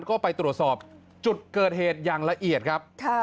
ก็ไปตรวจสอบจุดเกิดเหตุอย่างละเอียดครับ